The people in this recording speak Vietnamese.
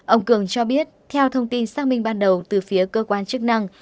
ông cường cho biết theo thông tin xác minh ban đầu từ phía cơ quan chức năng